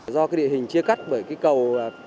do địa hình chia cắt bởi cầu